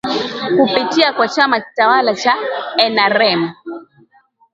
kupitia kwa chama tawala cha nrm